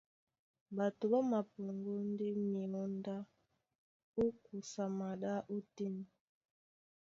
Ɓato ɓá mapɔŋgɔ́ ndé myǒndá ó kusa maɗá ótên.